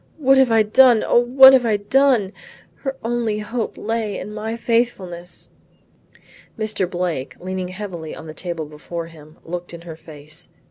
What have I done, O what have I done! Her only hope lay in my faithfulness." Mr. Blake leaning heavily on the table before him, looked in her face.